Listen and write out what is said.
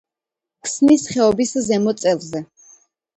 ქსნის ხეობის ზემო წელზე.